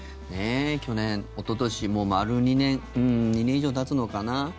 去年、おととしもう丸２年、２年以上たつのかな